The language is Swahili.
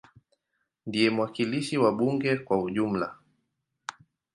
Ndiye mwakilishi wa bunge kwa ujumla.